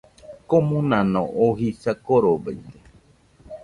Komonano oo jisa korobaite